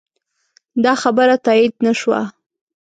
دا خبره تایید نه شوه.